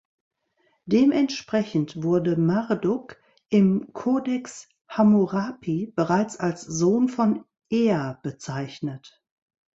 Dementsprechend wurde Marduk im "Codex Hammurapi" bereits als Sohn von Ea bezeichnet.